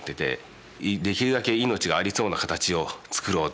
できるだけ命がありそうな形を作ろうと。